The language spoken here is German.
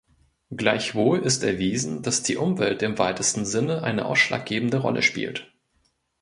Gleichwohl ist erwiesen, dass die Umwelt im weitesten Sinne eine ausschlaggebende Rolle spielt.